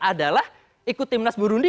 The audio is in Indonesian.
adalah ikut timnas burundi